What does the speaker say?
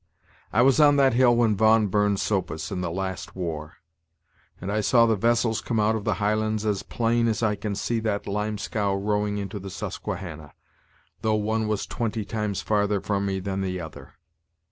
I was on that hill when Vaughan burned 'Sopus in the last war; and I saw the vessels come out of the Highlands as plain as I can see that lime scow rowing into the Susquehanna, though one was twenty times farther from me than the other.